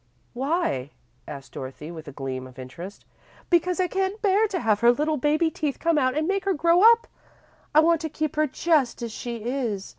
"Why?" asked Dorothy, with a gleam of interest. "Because I can't bear to have her little baby teeth come out and make her grow up! I want to keep her just as she is.